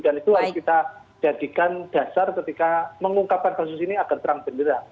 dan itu harus kita jadikan dasar ketika mengungkapkan kasus ini agar terang beneran